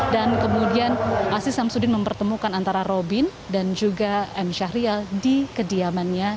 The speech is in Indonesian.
dan kemudian aziz syamsuddin mempertemukan antara robin dan juga m syahrial di kediamannya